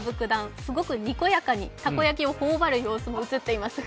すごくにこやかにたこ焼きを頬張る様子も写っています。